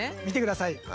見てください。